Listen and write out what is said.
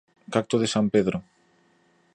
cacto de San Pedro